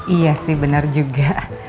iya sih bener juga